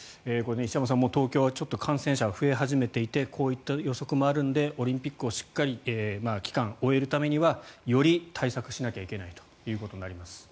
東京は感染者が増え始めていてこういった予測もあるのでオリンピックをしっかり期間を終えるためにはより対策しないといけないということになります。